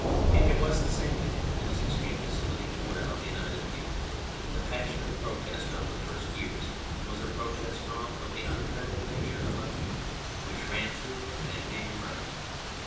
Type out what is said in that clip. Yet it was the same man whose extreme facility poured out in either field ; the passionate protest of the first years was a protest drawn from the untrammelled nature about him which ran through him and made him write.